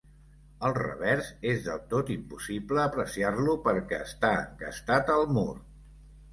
El revers és del tot impossible apreciar-lo perquè està encastat al mur.